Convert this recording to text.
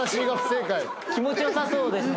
正解気持ちよさそうです